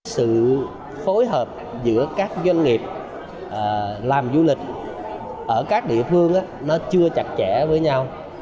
sự phối hợp giữa các doanh nghiệp làm du lịch ở các địa phương chưa chặt chẽ với nhau